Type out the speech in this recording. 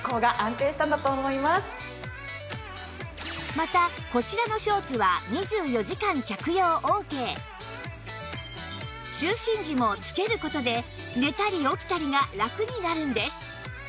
またこちらのショーツは就寝時もつける事で寝たり起きたりがラクになるんです